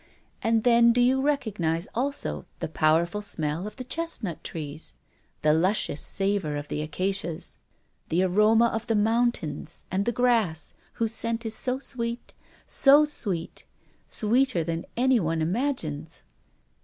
And then do you recognize also the powerful smell of the chestnut trees, the luscious savor of the acacias, the aroma of the mountains, and the grass, whose scent is so sweet, so sweet sweeter than anyone imagines?"